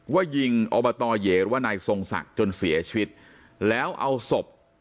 ว่ายิงอบตเยหรือว่านายทรงศักดิ์จนเสียชีวิตแล้วเอาศพ